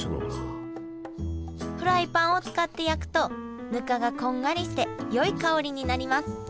フライパンを使って焼くとぬかがこんがりしてよい香りになります